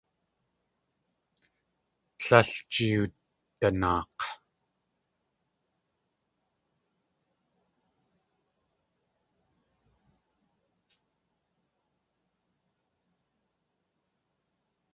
Tlél jeewdanaak̲.